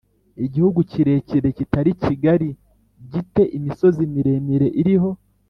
igihugu kirekire kitari kigari gi te imisozi miremire iriho